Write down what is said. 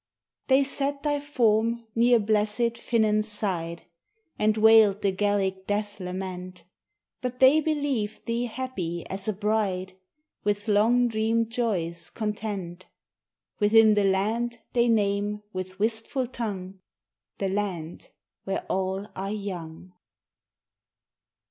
They set thy form near blessed Finnan's side, And wailed the Gaelic death lament; But they believed thee happy as a bride With long dreamed joys content Within the land they name with wistful tongue, "The land where all are young."